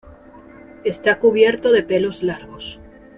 Está cubierto de pelos largos.